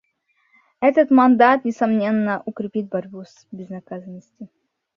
Этот мандат, несомненно, укрепит борьбу с безнаказанностью.